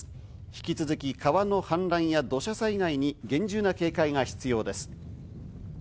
引き続き川の氾濫や土砂災害に厳重な警戒が必要です。